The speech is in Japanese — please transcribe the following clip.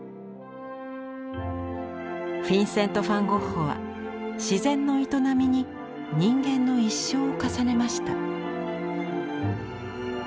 フィンセント・ファン・ゴッホは自然の営みに人間の一生を重ねました。